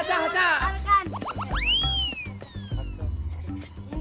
jangan pak gontor